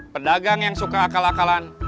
pedagang yang suka akal akalan